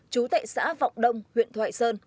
chú tại xã vọc đông huyện thoại sơn